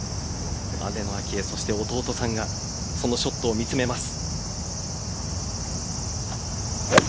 姉の明愛そして弟さんがそのショットを見つめます。